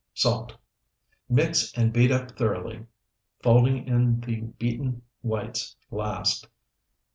Salt. Mix and beat up thoroughly, folding in the beaten whites last.